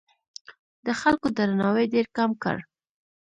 د خلکو درناوی ډېر کم کړ.